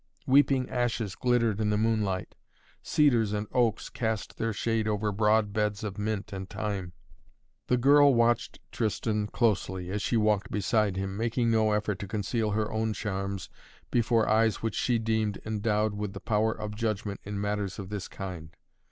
Weeping ashes glittered in the moonlight. Cedars and oaks cast their shade over broad beds of mint and thyme. The girl watched Tristan closely, as she walked beside him, making no effort to conceal her own charms before eyes which she deemed endowed with the power of judgment in matters of this kind.